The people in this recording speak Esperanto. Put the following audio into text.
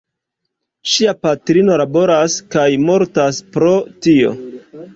Ŝia patrino laboras kaj mortas pro tio.